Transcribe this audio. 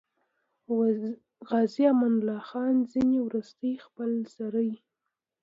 عازي امان الله خان ځینې وروستۍخپلسرۍ.